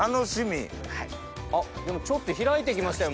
あっちょっと開いてきましたよ